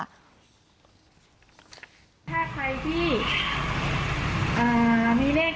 ตั้งร้อยตัวเลือกตัวอีกก็